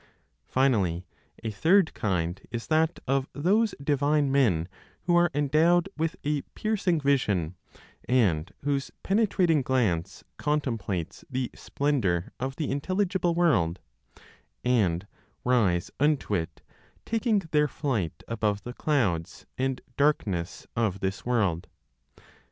Finally a third kind is that of those divine men who are endowed with a piercing vision, and whose penetrating glance contemplates the splendor of the intelligible world, and rise unto it, taking their flight above the clouds and darkness of this world.